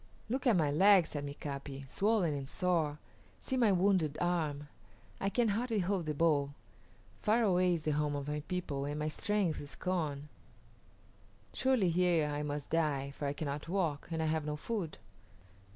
"Look at my leg," said Mika´pi; "swollen and sore. See my wounded arm; I can hardly hold the bow. Far away is the home of my people, and my strength is gone. Surely here I must die, for I cannot walk, and I have no food."